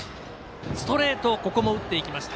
ストレートを打っていきました。